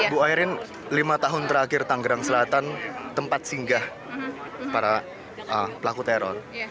bu ayrin lima tahun terakhir tanggerang selatan tempat singgah para pelaku teror